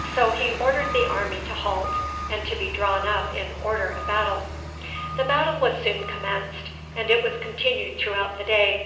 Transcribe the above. So he ordered the army to halt, and to be drawn up in order of battle. The battle was soon commenced, and it was continued throughout the day.